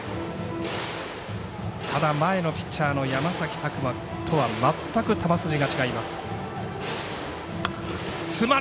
ただ、前のピッチャーの山崎琢磨とはまったく球筋が違います。